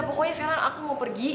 pokoknya sekarang aku mau pergi